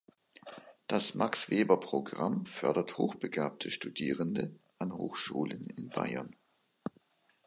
Das Max Weber-Programm fördert hochbegabte Studierende an Hochschulen in Bayern.